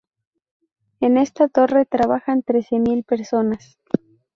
En esta torre trabajan trece mil personas.